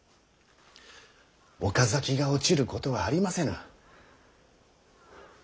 岡崎が落ちることはありませぬ。